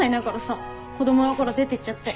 子供のころ出てっちゃって。